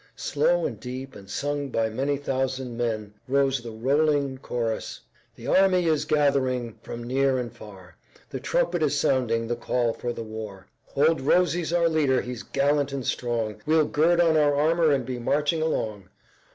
Slow and deep and sung by many thousand men rose the rolling chorus: "The army is gathering from near and from far; The trumpet is sounding the call for the war; Old Rosey's our leader, he's gallant and strong; We'll gird on our armor and be marching along."